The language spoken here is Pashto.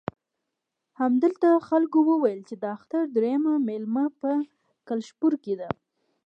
همدلته خلکو وویل چې د اختر درېیمه مېله په کلشپوره کې ده.